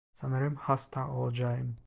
Sanırım hasta olacağım.